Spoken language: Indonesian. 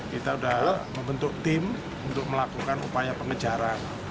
kita sudah membentuk tim untuk melakukan upaya pengejaran